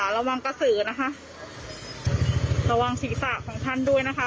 ระวังศีรษะของท่านด้วยนะคะ